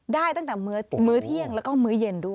ได้ตั้งแต่มื้อเที่ยงแล้วก็มื้อเย็นด้วย